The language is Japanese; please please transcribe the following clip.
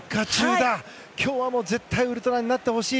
今日は絶対にウルトラになってほしい。